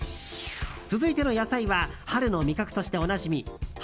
続いての野菜は春の味覚としておなじみ春